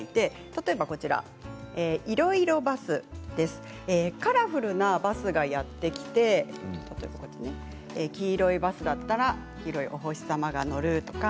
例えば「いろいろバス」。カラフルなバスがやってきて黄色いバスだったらお星様が乗ったり